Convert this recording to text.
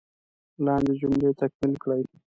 لاندې جملې تکمیل کړئ.